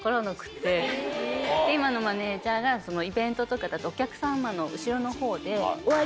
今のマネージャーがイベントとかだとお客さまの後ろの方で終わり！